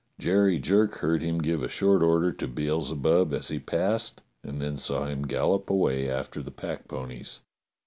Jerry Jerk heard him give a short order to Beelzebub as he passed, and then saw him gallop away after the packponies.